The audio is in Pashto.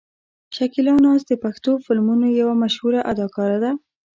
شکیلا ناز د پښتو فلمونو یوه مشهوره اداکاره ده.